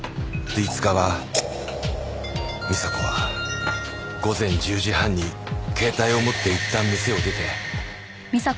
５日は美紗子は午前１０時半に携帯を持っていったん店を出て。